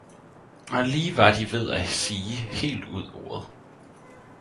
og lige var de ved at sige helt ud ordet.